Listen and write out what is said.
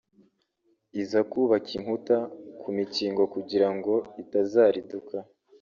iza kubaka inkuta ku mikingo kugira ngo itazariduka